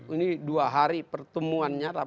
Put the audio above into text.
ini dua hari pertemuannya